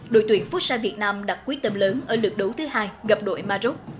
đội tuyển phúc san việt nam đặt quyết tâm lớn ở lượt đấu thứ hai gặp đội maroc